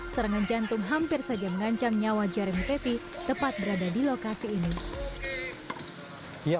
serangan jantung hampir saja mengancam nyawa jaring tety tepat berada di lokasi ini dia